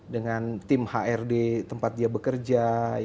dengan tim hrd tempat dia bekerja